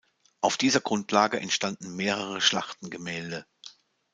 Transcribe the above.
Auf dieser Grundlage entstanden mehrere Schlachtengemälde.